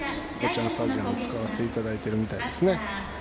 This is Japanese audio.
ちゃんスタジアムを使わせていただいているみたいですね。